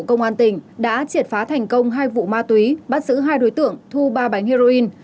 công an tỉnh đã triệt phá thành công hai vụ ma túy bắt giữ hai đối tượng thu ba bánh heroin